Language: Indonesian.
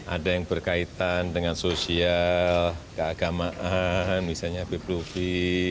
ada yang berkaitan dengan sosial keagamaan misalnya habib lufti